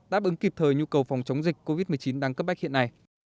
đáp ứng kịp thời nhu cầu phòng chống dịch covid một mươi chín đang cấp bách hiện nay